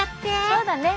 そうだね。